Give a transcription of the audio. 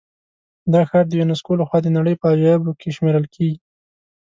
دا ښار د یونسکو له خوا د نړۍ په عجایبو کې شمېرل کېږي.